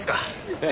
ええ。